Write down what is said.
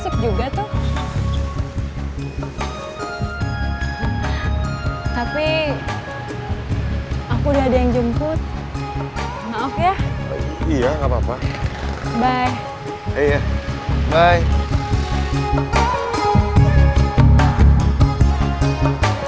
kayaknya sik jug atuh